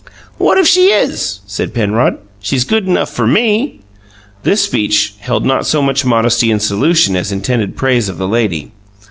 "What if she is?" said Penrod. "She's good enough for ME!" This speech held not so much modesty in solution as intended praise of the lady.